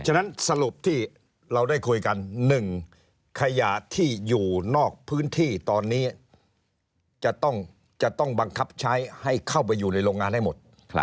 ฉะนั้นสรุปที่เราได้คุยกัน๑ขยะที่อยู่นอกพื้นที่ตอนนี้จะต้องบังคับใช้ให้เข้าไปอยู่ในโรงงานให้หมด